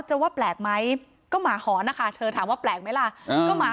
จะว่าแปลกไหมก็หมาหอนนะคะเธอถามว่าแปลกไหมล่ะก็หมา